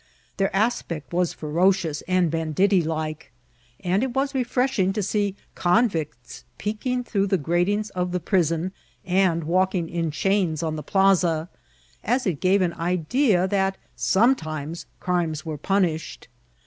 Their aspect was ferocious and banditti like, and it was refireshing to see convicts peeping through the gratings of the prison, and viralking in chains on the plaza, as it gave an idea that scmietimes crimes were punished.